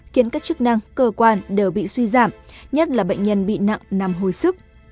khiến các chức năng cơ quan đều bị suy giảm nhất là bệnh nhân bị nặng nằm hồi sức